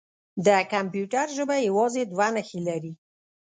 د کمپیوټر ژبه یوازې دوه نښې لري.